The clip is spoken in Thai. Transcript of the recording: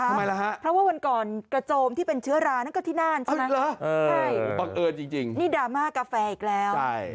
ทำไมล่ะฮะเพราะว่าวันก่อนกระโจมที่เป็นเชื้อรานั่นก็ที่น่านใช่ไหมใช่บังเอิญจริงนี่ดราม่ากาแฟอีกแล้ว